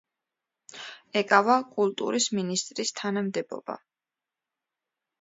ეკავა კულტურის მინისტრის თანამდებობა.